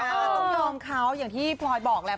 พวกน้องเขาอย่างที่ปลอยบอกแล้ว